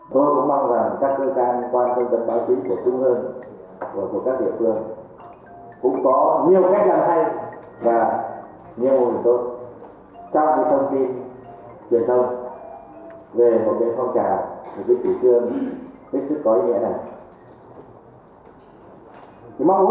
trong giai đoạn từ hai nghìn một mươi bảy hai nghìn hai mươi thực trạng ngành nông nghiệp nước ta sẽ phải đối mặt với những khó khăn